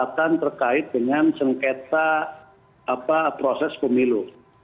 yang terkait dengan sengketa proses pemilu